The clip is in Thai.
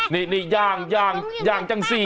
นี่ย่างย่างจังสิ